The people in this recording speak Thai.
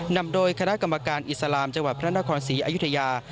นำโดยคณะกรรมการอิสลามจังหวัดพระนครศรีอยุธยา